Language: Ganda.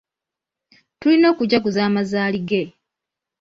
Tulina okujaguza amazaali ge.